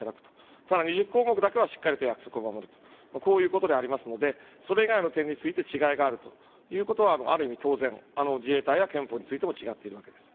ただ、２０項目だけはしっかりと約束を守る、こういうことでありますので、それ以外の点について違いがあるということは、ある意味、当然、自衛隊や憲法についても、違っているわけです。